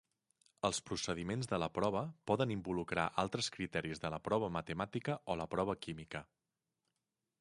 Els procediments de la prova poden involucrar altres criteris de la prova matemàtica o la prova química.